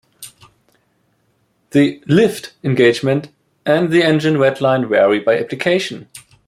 The "lift" engagement and the engine redline vary by application.